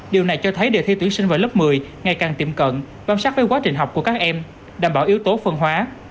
điều này cho thấy đề thi tuyển sinh vào lớp một mươi ngày càng tiệm cận bám sát với quá trình học của các em đảm bảo yếu tố phân hóa